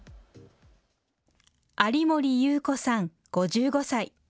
有森裕子さん、５５歳。